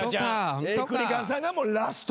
クリカンさんがラスト。